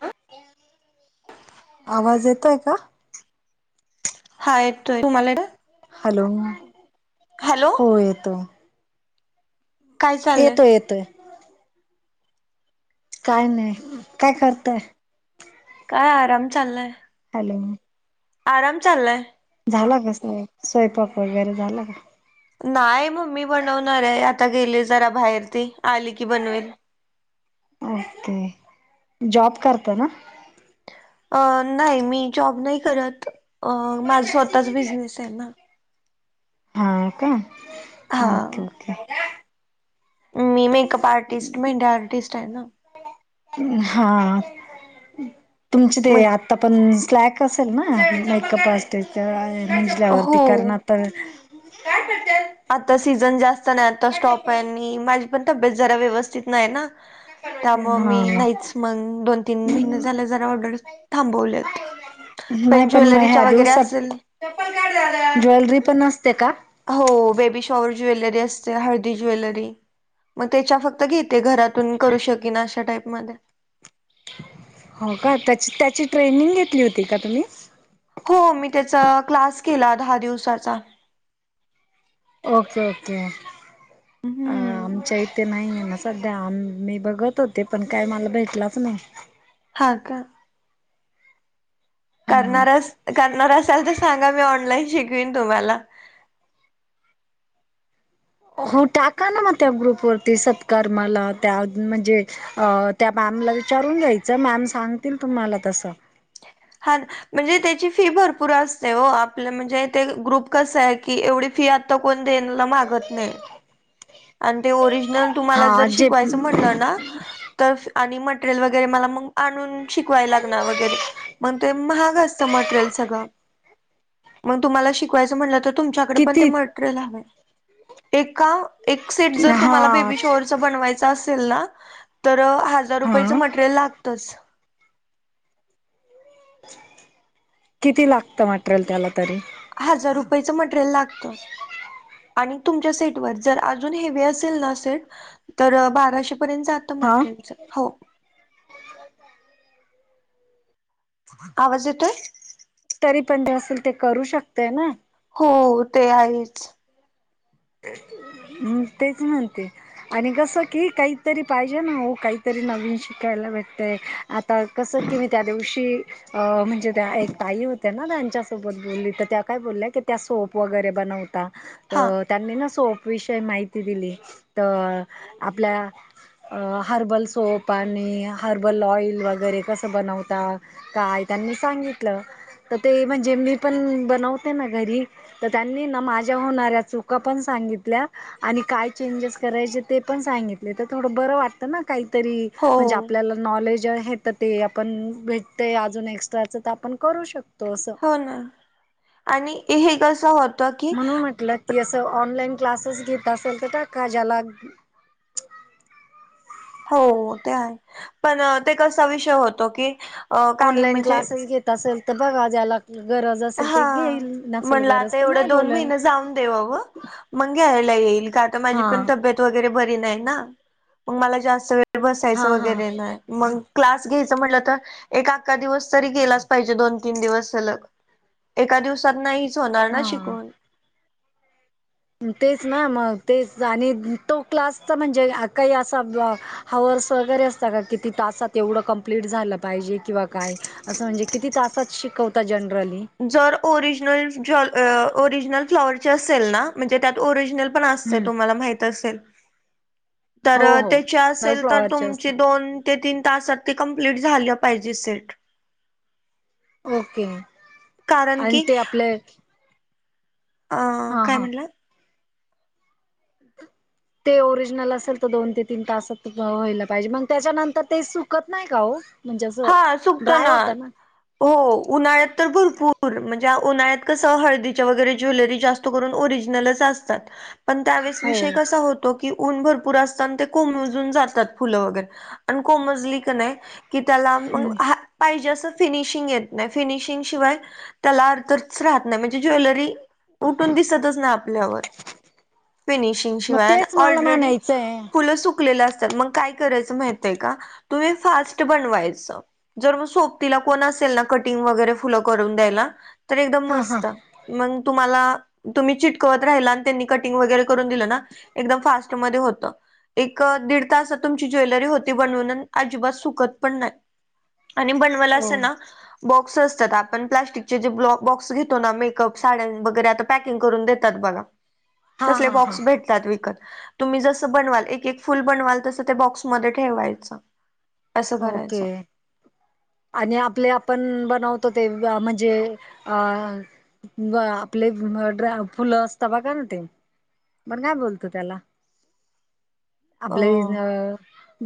ह आवाज येतोय का? हा येतोय तुम्हाला येतोय? हॅलो हॅलो हो येतो काय चाललंय येतोय येतोय काय नाही काय करतय? काय आराम चाललाय, हॅलो! आराम चाललाय झाला कस [unintelligible] स्वयपाक वगैरे झाला का? नाही मम्मी बनवणार आहे आता गेलिये जरा बाहेर ती आली की बनवेल ओके जॉब करता ना? अ नाही मी जॉब नाही करत अ माझा स्वतःच बिझनेस आहे ना हा का हा ओके ओके. मी मेकअप आर्टिस्ट मेंडे आर्टिस्ट आहे ना उम हा तुमचे ते आत मग आता पण स्लॅक असेल ना मेकअप [unintelligible] निजल्यावरती हो करणा त काय करत्याल आता सीझन जास्त नाही आता स्टॉप आहे आणि माझी पण तब्येत जरा व्यवस्थित नाही ना त्यामुळ मी हा नाहीच मग दोन तीन महिन झालं जरा ऑर्डर थांबवल्यात नाही पण मग ज्वेलरीच्या ह्या वगैरे असेल दिवसात ज्वेलरी पण असते का? हो बेबी शॉवर ज्वेलरी असते, हळदी ज्वेलरी, मग त्याच्या फक्त घेत ते घरातून करू शकिन अशा टाईपमध्ये. हो का, त्याची-त्याची ट्रेनिंग घेतली होती का तुम्ही? हो मी त्याचा क्लास केला दहा दिवसाचा. Okay okay. अं हम्म आमच्या इथे नाही ना सध्या, आम मी बघत होते पण काय मला भेटलाच नाही. हा का? हा करणार अस, करणार असाल तर सांगा, मी ऑनलाईन शिकवीन तुम्हाला हो टाका ना मग त्या ग्रुपवरती सत्कर्मला, त्या म्हणजे अ त्या मॅमला विचारून घ्यायचं, मॅम सांगतील तुम्हाला तसं हान. म्हणजे त्याची फी भरपूर असते ओ, आपलं म्हणजे ते ग्रुप कसं आहे की एवढी फी आत त कोण देणला माघत नाही. अन ते ओरिजिनल तुम्हाला हा जर जे शिकवायचं म्हणलं ना तफ आणि मटरेल वगैरे मला मग आणून शिकवाय लागणार वगैरे. मग ते महाग असतं मटरेल सगळं, मग तुम्हाला शिकवायच म्हणलं तर तूमच्याकड पण ते किती मटरेल हवंय, एका एक सेट हा जर तुम्हाला बेबी शॉवर च बनवायचं असेल ना, तर अ हजार रुपयेच हा मटरेल लागतच. किती लागतं मटरियल त्याला तरी? हजार रुपयच मटरेल लागतं. आणि तुमच्या सेट वर जर अजून हेवी असेल ना सेट तर बाराशे पर्यंत जातं हा? मटरेलच, हो. आवाज येतोय? तरी पण [unintelligible] जे असेल ते करू शकतेय ना हो ते आहेच. उम् तेच म्हणते आणि कसं की, काहीतरी पाहिजे ना ओ, काहीतरी नवीन शिकायला भेटतय आता कसं की मी त्या दिवशी, अ म्हणजे त्या एक ताई होत्या ना त्यांच्यासोबत बोलली, तर त्या काय बोल्या कीं त्या सोप वगैरे बनवता. हा त्यांना ना सोप विषय माहिती दिली, तर आपल्या हर्बल सोप, आणि हर्बल ऑइल, वगैरे कसं बनवतात काय त्यांनी सांगितलं. तर ते म्हणजे मी पण बनवते ना घरी, तर त्यांनी ना माझ्या होणाऱ्या चू का पण सांगितल्या आणि काय चेंजेस करायचे ते पण सांगितले तर थोडं बर वाटतं ना काहीतरी हो म्हणजे आपल्याला नॉलेज आहे तर ते आपण भेटतय, अजून एक्स्ट्राचं तर आपण करू शकतो असं. हो ना आणि हे कसं होत म्हणून म्हटलं की असं ऑनलाईन क्लासेस घेत असेल तर टाका, ज्याला हो, ते आहे पण ते कसा विषय होतो की, अ काही म्हणजे त असेल तर बघा, ज्याला गरज असेल हा ते घेईल, नसेल म्हणलं आता गरज तर एवढं नाही दोन बोलल महिने जाऊन देवावं मग घ्यायला येईल, का त माझी पण तब्येत वगैरे बरी नाही ना, मग मला जास्त वेळ बसायच हा हा वगैरे नाही मग क्लास घ्यायचं म्हटलं, तर एक अखा दिवस तरी गेलाच पाहिजे, दोन-तीन दिवस सलग एका दिवसात नाहीच होणार ना हा शिकून? तेच ना मग तेच आणि तो क्लासचा म्हणजे काही असा हावर्स वगैरे असता का, किती तासात एवढं पूर्ण झालं पाहिजे किंवा काय? असं म्हणजे किती तासात शिकवता जनरली? जर ओरिजनल जल ओरिजनल फ्लॉवरचे असेल ना? म्हणजे त्यात ओरिजनल पण असत हम्म. तुम्हाला माहित असेल तर हो हो त्याची नल असेल तर फ्लॉवरचे तुमची असते दोन ते तीन तासात ते कंप्लीट झालं पाहिजे सेट ओके कारण आणि की ते आपले अ हा काय हा म्हणलं ते ओरिजिनल असेल तर दोन ते तीन तासात व्हायला पाहिजे, मग त्याच्यानंतर ते सुकत नाही का हो? म्हणजे असं हा सुकतो ड्राय होता ना? हो उन्हाळ्यात तर भरपूर म्हणजे उन्हाळ्यात कसं हळदीच्या वगैरे ज्वेलरी जास्त ओरिजिनल असतात पण त्यावेळी हो विषय कसा होतो तो, की ऊन भरपूर असतना ते कोमेजून जातात फुलं वगैरे अन कोमजली कीं नाही मग त्याला हम्म. हात पाहिजे असं फिनिशिंग येत नाही फिनिशिंग शिवाय त्याला अर्थच राहत नाही, म्हणजे ज्वेलरी उठून दिसतच नाही आपल्यावर. फिनिशिंग मग शिवाय तेच मला ऑलरेडी म्हणायचं आहे फुलं सुक सुकलेले असतात, मग तुम्ही काय करायचे माहिती आहें, तुम्ही जर सोबतीला कोण असेल ना कटिंग वगैरे फुल करून द्यायला तर एकदम हां हां मस्त. मग तुम्हाला तुम्ही चिटकवत राहिला, आणि त्यांनी कटिंग वगैरे करून दिलं ना एकदम फास्टमध्ये होत. एक दीड तास तुमची ज्वेलरी होती बनवून अजिबात सुकत पण नाही आणि बनवला ओ अस ना बॉक्स असतात, आपण प्लास्टिकचे जे बॉक्स घेतो ना, मेकअप साड्यां वगैरे आता पॅकिंग करून देतात बघा-श. [inaudible] तसले हां हां बॉक्स भेट विकत तुम्ही जस बनवाल एक- एक फुल बनवाल तस त्या बॉक्स मध्ये ठेवायच. ओके. आणि आपले आपण बनवतो ते म्हणजे अ आपले फुलं असतात बघा ना ते. मग काय बोलतो त्याला? अ आपले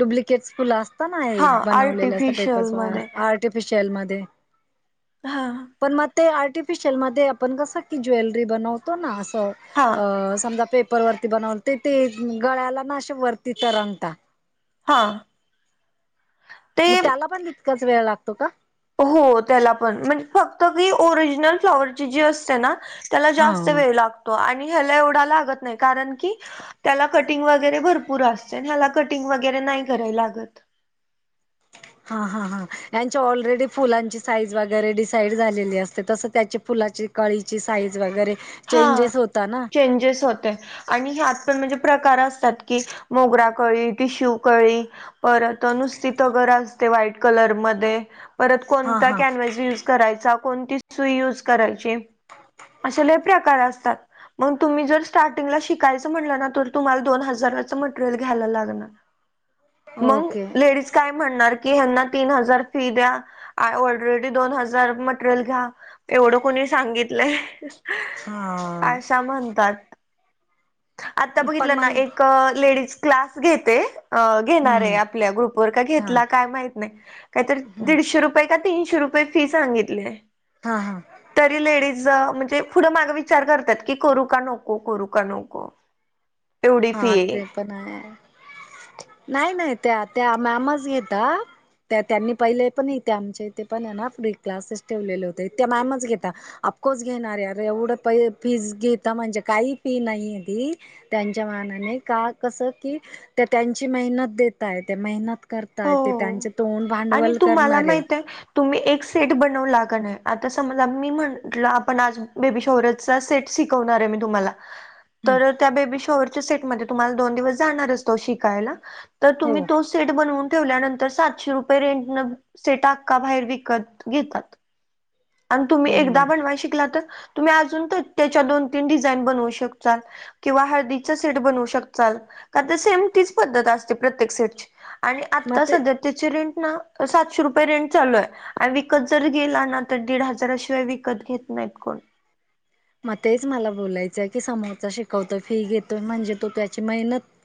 डुप्लिकेट् फुलं असतात हा बनवलेलं अस आर्टिफिशियल पेपर्स मध्ये आर्टिफिशियल मध्ये- हा पण मग ते आर्टिफिशियल मध्ये आपण कसं की ज्वेलरी बनवतो ना असं हा अ..... समजा पेपरवररती बनवल ते, ते गळ्याला ना असे वरती तरंगतात. हां मग त्याला पण तितकाच वेळ लागतो का? हो, त्याला पण म्हणजे फक्त की ओरिजनल फ्लॉवरची जी असते ना त्याला जास्त हा वेळ लागतो आणि ह्याला एवढा लागत नाही कारण की त्याला कटिंग वगैरे भरपूर असते मला कटिंग वगैरे नाही कराय लागत. हां हा हां यांच्या ऑलरेडी फुलांची साईज वगैरे डिसाईड झालेली असते तसं त्याची फुलाची कळीची साईज वगैरे हा चेंजेस होता ना चेंजेस होते. आणि ह्यात पण म्हणजे प्रकार असतात की मोगरा कळी टिश्यू कळी परत नुसतीथं घरं असते व्हाईट कलरमध्येध्ये परत हा कोणता हा कॅन्व्हस यूज करायचा कोणती सुई यूज करायची? असे लले प्रकार असतात. मग तुम्ही जर स्टार्टिंगला शिकायचं म्हटलं ना तर तुम्हाला दोन हजाराचं मटेरियल घ्यायला लागणार. ह मग लेडीज काय म्हणणार की हना तीन हजार फी द्या ऑलरेडी दोन हजार मटेरियल घ्या एवढं कोणी सांगितलंय हा आशा म्हणतात. आता पण बघितलं ना मग एक लेडीज क्लास घेते. अ घेणार ये हम्म आपल्या ग्रुपवर का हा घेतला काय माहित नाय. कायतरी हम्म दीडशे रुपये का तीनशे रुपये फी सांगितलेय. हा हा तरी लेडी ज म्हणजे पुढं माग विचार करत्यात की करू का नको करू का नको. एवढी हा फी आहे ते पण आहे नाय नाय त्या त्या मॅम च घेतात. त्या त्यांनी पहिले पण इथे आमच्या इथे पण हे ना फ्री क्लासेस ठेवलेले होते त्या मॅमच घेता. अफकोर्स घेणारये अरे एवढं पै फीस घेता म्हणजे काही फी नाहीये ती त्यां च्या मनानी का कस की त्या त्यांची मेहनत देतायत ते मेहनत हो करतायेत त्यांचे तोंड आणि भांडवल तुम्हाला करणारेय. माहित आहे तुम्ही एक सेट बनवला कनाय आता समज मी म्हंटलं आपण आज बेबी शोवरचं चां सेट शिकवणार ये मी तुम्हाला [unintelligible] तर त्या बेबी शोवरच्या सेटमध्ये तुम्हाला दोन दिवस जाणारचं तो शिकायला त हो तुम्ही तो सेट बनवून ठेवल्यानंतर सातशे रुपये रेंट न सेट अक्का बाहेर विकत घेतात. आणि तुम्ही एकदा हम्म बनवाय शिकला तर तुम्ही अजून त त्याच्या दोन तीन डिझाईन बनवू शकताल. किंवा हळदीच सीट बनवू शकचाल का ते सेम तीच पद्धत असते प्रत्येक सेटची आणि मग आता ते सध्या त्याची रेंट ना सातशे रुपये रेंट चालू आहे आणि विकत जर गेला ना त दीड हजाराशिवाय विकत घेत नाहीत कोण. म तेच मला बोलायचंय की समोरचा शिकवतो फी घेतो म्हणजे तो त्याची मेहनत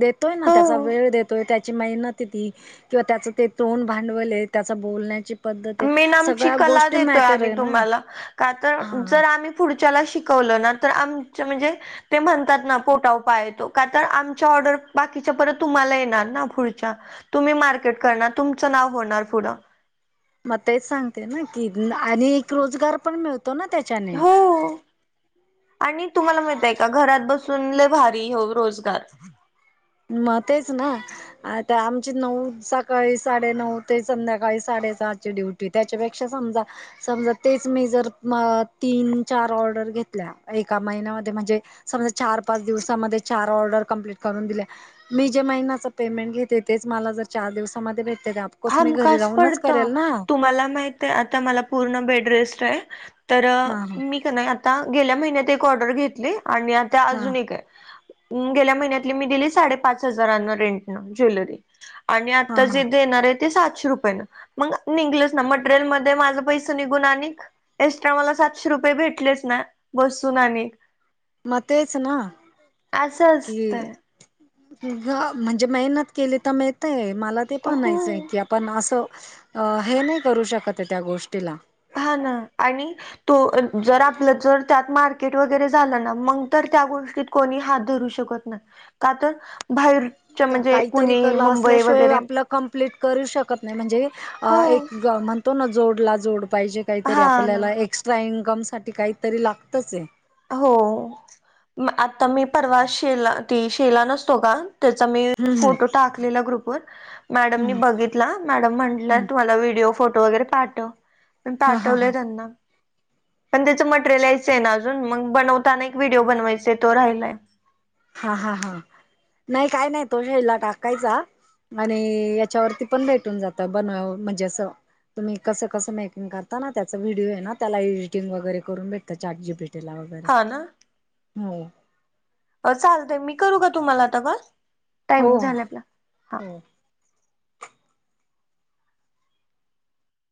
देतोय ना त्याचा हो. वेळ देतोय त्या ची मेहनत किंवा त्याचं ते तोंड भांडवलय त्याचं बोलण्याची पद्धत आहे मेन आमची सगळ्या कला गोष्टी देतोय मॅटर आम्ही आहे ना तुम्हाला का तर हा जर आम्ही पुढच्याला शिकवलं ना तर आमच म्हणजे ते म्हणतात ना पोटाव पाय येतो का तर आमच्या ऑर्डर बाकीच्या परत तुम्हाला येणार ना पुढच्या तुम्ही मार्केट करणार तुमचं नाव होणार पुढं मग तेच सांगते ना की आणि रोजगार पण मिळतो ना त्याच्याने हो आणि तुम्हाला माहितय का घरात बसून लय भारी ह्यो रोजगार. म तेच ना आता आमची नऊ सकाळी साडेनऊ ते संध्याकाळी साडेसहा ची ड्युट टी त्याच्यापेक्षा समजा समजा तेच मी जर म तीन चार ऑर्डर घेतल्या एका महिन्यामध्ये म्हणजे समजा चार पाच दिवसामध्ये चार ऑर्डर कंप्लीट करून दिल्या मी जे महिन्याच पेमेंट घेते तेच मला जर चार दिवसामध्ये भेटते ते आप हमखास पडत तुम्हाला माहित ते आता मला पूर्ण बेड रेस्ट ये तर हा हा मी त नाय आता गेल्या महिन्यात एक ऑर्डर घेतली आणि आता हा अजून एक हाय. अं गेल्या महिन्यातली मी दिली साडेपाच हजारांन रेंटनं ज्वेलरी आणि हा आता हा जे देणारे ते सातशे रुपये मंग निगंलच ना मटेरियल मध्ये माझं पैस निघून आणिकं एक्स्ट्रा मला सातशे रुपये भेटलेच ना बसून आणि म तेच ना असं की असतंय ग म्हणजे मेहनत केली तर मिळतय मला ते हो पणायचंय की आप पण असं हे नाय करू शकतये त्या गोष्टीला हा ना आणि तो जर आपलं जर त्यात मार्केट वगैरे झालं ना मंग तर त्या गोष्टीत कोणी हात धरू शकत नाय का तर बाहेर त्या काहीतरी कला असल्याशिवाय आपला कम्प्लीट करू शकत नाय म्हणजे अ हो एक ग मन. पुन्हा जोडला जोड पाहिजे काहीतरी हा ना आपल्याला एक्स्ट्रा इन्कम साठी काहीतरी लागतच आहे. हो म आता मी परवा शेला ती शेला नसतो का. त्याचा मी हम्म हम्म फोटो टाकलेला ग्रुप व मॅडमनी हम्म बघित ल मॅडम हम्म म्हटलं तुमला्हडडीओ फोटो वगैरे पाठव. पण हा हा पाठवलं हा त्यांना पण त्याच मटेरियलच यायच आहे न अजून. जून अ मग बनवताना एक व्हिडिओ बनवायचा तो राहिलाय. हा हा हा नाही काही नाही तो हेला टाकायचा. अरे याच्यावरती पण भेटून जात बनव म्हणजे असं. तुम्ही कसं कसं मेकिंग करता ना त्याचा व्हिडिओ आहे ना त्याला एडटंग वगैरे करून भेटता चार्ट जी बीटेला वर. बर हा ना हो. चालतय मी करू का तुम्हाला आता कॉल हो टाइमिंग हो झालंय आपला. हा हो.